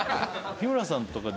日村さんとか。